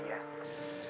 kita minta maaf sama dia